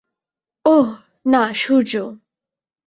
ওহ, না, সূর্য।